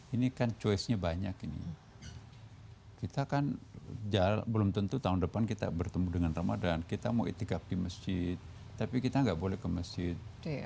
ini kan choice nya banyak ini kita kan belum tentu tahun depan kita bertemu dengan ramadan kita mau itikaf di masjid tapi kita nggak boleh ke masjid